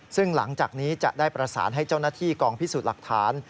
ซึ่งหลังจากนี้จะได้ประสานให้เจ้าหน้าที่กองพิสูจน์หลักฐาน